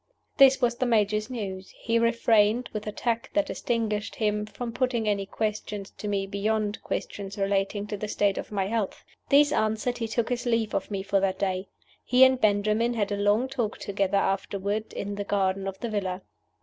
This was the Major's news. He refrained, with the tact that distinguished him, from putting any questions to me beyond questions relating to the state of my health. These answered, he took his leave of me for that day. He and Benjamin had a long talk together afterward in the garden of the villa.